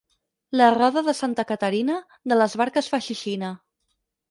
La roda de Santa Caterina, de les barques fa xixina.